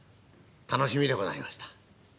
楽しみでございました。